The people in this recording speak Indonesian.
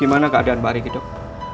gimana keadaan pak riki dok